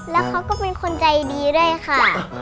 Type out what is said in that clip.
แล้วเขาก็เป็นคนใจดีด้วยค่ะ